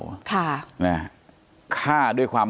เป็นวันที่๑๕ธนวาคมแต่คุณผู้ชมค่ะกลายเป็นวันที่๑๕ธนวาคม